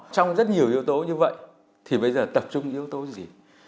trong rất nhiều yếu tố như vậy thì bây giờ tập trung yếu tố gì